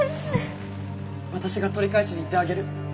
私が取り返しに行ってあげる。